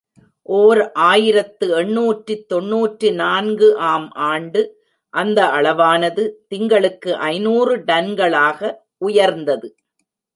ஓர் ஆயிரத்து எண்ணூற்று தொன்னூற்று நான்கு ஆம் ஆண்டு அந்த அளவானது, திங்களுக்கு ஐநூறு டன்களாக உயர்ந்தது.